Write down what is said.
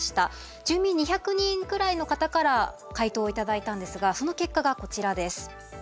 住民２００人ぐらいの方から回答を頂いたんですがその結果がこちらです。